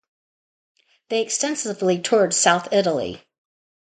They extensively toured south-Italy.